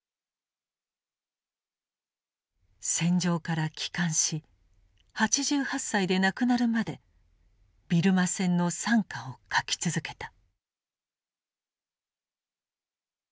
戦場から帰還し８８歳で亡くなるまでビルマ戦の惨禍を書き続けた。